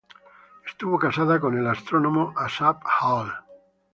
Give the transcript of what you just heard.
Estuvo casada con el astrónomo Asaph Hall.